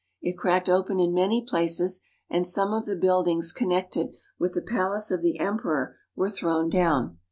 It cracked open in many places, and some of the buildings connected with the palaces of the Emperor were thrown down.